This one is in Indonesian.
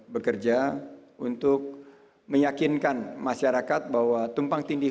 bekerja untuk meyakinkan masyarakat bahwa tumpang tindih